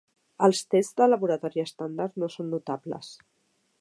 Els tests de laboratori estàndard no són notables.